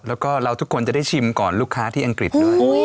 แล้วก็เราทุกคนจะได้ชิมก่อนลูกค้าที่อังกฤษด้วย